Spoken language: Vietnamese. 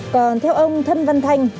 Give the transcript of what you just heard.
còn theo ông thân văn thanh